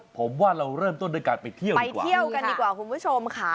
ผมว่าเราเริ่มต้นด้วยการไปเที่ยวไปเที่ยวกันดีกว่าคุณผู้ชมค่ะ